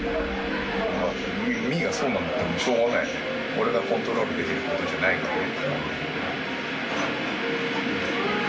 俺がコントロールできることじゃないからね。